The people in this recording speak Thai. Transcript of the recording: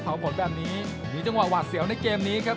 ผลแบบนี้มีจังหวะหวาดเสียวในเกมนี้ครับ